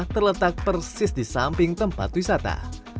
terletak persis disamping tempat wisata